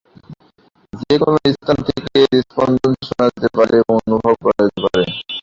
যে কোন স্থান থেকে এর স্পন্দন শোনা যেতে পারে এবং অনুভব করা যেতে পারে।